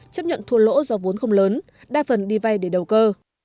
chấp nhận thua lỗ do vốn không lớn đa phần đi vay để đầu cơ